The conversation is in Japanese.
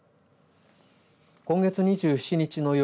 今月２７日の夜